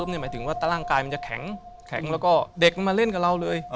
หมายถึงว่าร่างกายมันจะแข็งแล้วก็เด็กมันมาเล่นกับเราเลย